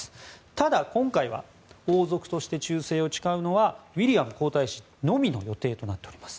ただ今回は、王族として忠誠を誓うのはウィリアム皇太子のみの予定となっております。